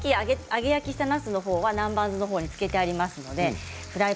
揚げ焼きしたなすは南蛮酢に漬けてあります。